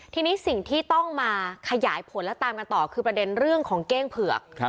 ทีนี้สิ่งที่ต้องมาขยายผลและตามกันต่อคือประเด็นเรื่องของเก้งเผือก